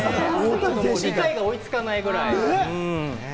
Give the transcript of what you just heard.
理解が追いつかないぐらい。